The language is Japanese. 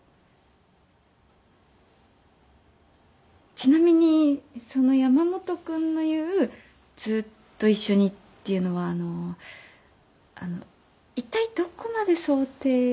ちなみにその山本君の言うずっと一緒にっていうのはあのあのいったいどこまで想定して。